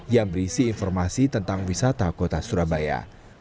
yang berisi informasi tentang wisata kota surabaya